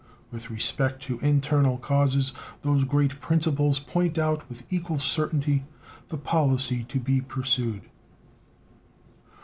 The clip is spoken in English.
With respect to internal causes, those great principles point out with equal certainty the policy to be pursued.